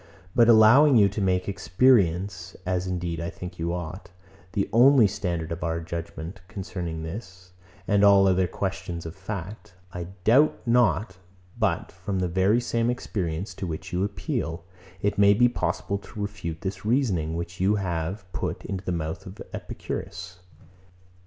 But allowing you to make experience (as indeed I think you ought) the only standard of our judgement concerning this, and all other questions of fact; I doubt not but, from the very same experience, to which you appeal, it may be possible to refute this reasoning, which you have put into the mouth of Epicurus.